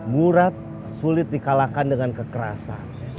murad sulit dikalahkan dengan kekerasan